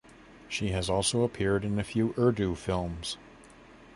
She has also appeared in few Urdu films.